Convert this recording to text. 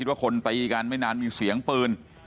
ว่าคนตีกันไม่นานมีเสียงปืน